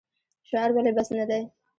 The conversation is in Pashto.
شعار ولې بس نه دی؟